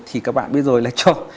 thì các bạn biết rồi là cho